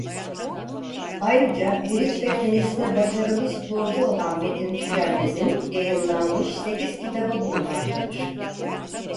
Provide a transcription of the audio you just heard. Ayrıca Briç ve Teniste başarılı sporcu olan Metin Tükenmezin yayınlanmış sekiz kitabı bulunmaktadır.